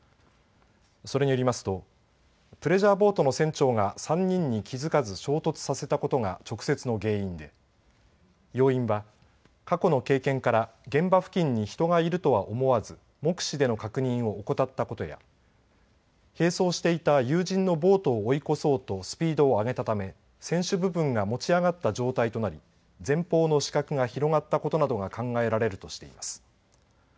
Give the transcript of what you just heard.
それによりますとプレジャーボートの船長が３人に気付かず衝突させたことが直接の原因で要因は過去の経験から現場付近に人がいるとは思わず目視での確認を怠ったことや並走していた友人のボートを追い越そうとスピードを上げたため船首部分が持ち上がった状態となり前方の死角が広がったことなどが考えられるとしています。